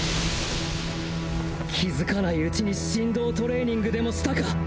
気づかないうちに振動トレーニングでもしたか？